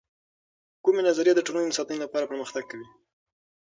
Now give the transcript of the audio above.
کومې نظریې د ټولنې د ساتنې لپاره پر مختګ کوي؟